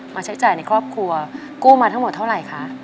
ใช้จ่ายในครอบครัวกู้มาทั้งหมดเท่าไหร่คะ